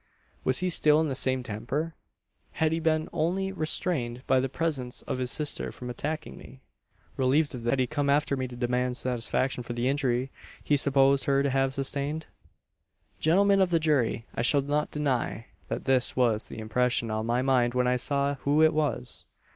"Was he still in the same temper? Had he been only restrained by the presence of his sister from attacking me? Relieved of this, had he come after me to demand satisfaction for the injury he supposed her to have sustained? "Gentlemen of the jury! I shall not deny, that this was the impression on my mind when I saw who it was.